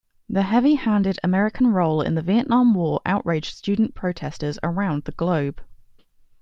The heavy-handed American role in the Vietnam War outraged student protestors around the globe.